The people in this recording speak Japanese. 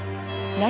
何？